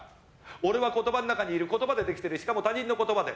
俺は言葉の中にいる言葉でできているしかも他人の言葉で。